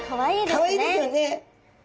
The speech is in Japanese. かわいいですよね。